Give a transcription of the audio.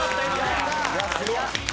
やったー！